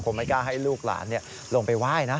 ไม่กล้าให้ลูกหลานลงไปไหว้นะ